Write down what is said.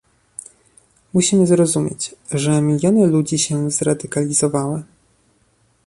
Musimy zrozumieć, że miliony ludzi się zradykalizowały